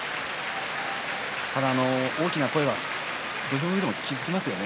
ただ大きな声土俵でも気付きますよね。